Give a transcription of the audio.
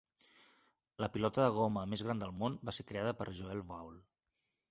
La pilota de goma més gran del món va ser creada per Joel Waul.